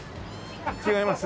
違います。